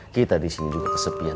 kita disini juga kesepian